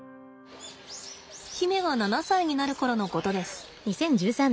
媛が７歳になる頃のことです。